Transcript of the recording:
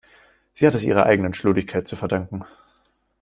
Sie hat es ihrer eigenen Schludrigkeit zu verdanken.